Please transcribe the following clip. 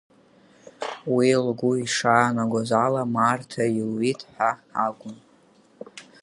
Уи лгәы ишаанагоз ала, Марҭа илҩит ҳәа акәын.